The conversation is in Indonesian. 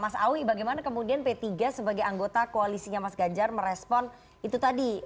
mas awi bagaimana kemudian p tiga sebagai anggota koalisinya mas ganjar merespon itu tadi